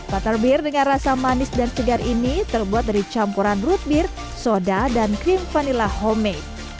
butterbir dengan rasa manis dan segar ini terbuat dari campuran root bir soda dan krim vanila homemay